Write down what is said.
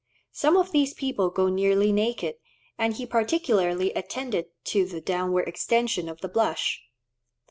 Some of these people go nearly naked, and he particularly attended to the downward extension of the blush.